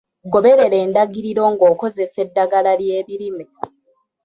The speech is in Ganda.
Goberera endagiriro ng'okozesa eddagala ly'ebirime.